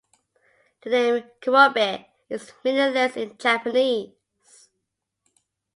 The name "Kurobe" is meaningless in Japanese.